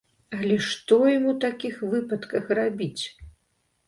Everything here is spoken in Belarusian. Але што ім у такіх выпадках рабіць?